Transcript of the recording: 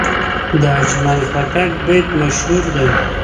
د اجمل خټک بیت مشهور دی.